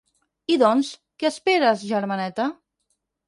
I doncs, què esperaves, germaneta?